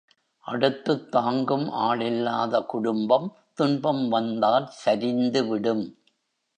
அடுத்துத் தாங்கும் ஆள் இல்லாத குடும்பம் துன்பம் வந்தால் சரிந்துவிடும்.